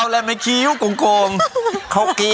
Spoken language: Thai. เรงเตรก